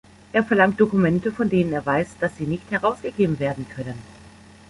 Er verlangt Dokumente, von denen er weiß, dass sie nicht herausgegeben werden können.